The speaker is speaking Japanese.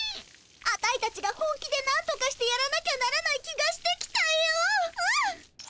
アタイたちが本気でなんとかしてやらなきゃならない気がしてきたようん。